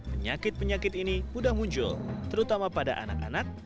penyakit penyakit ini mudah muncul terutama pada anak anak